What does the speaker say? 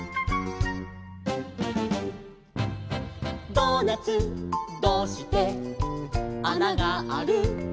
「ドーナツどうしてあながある？」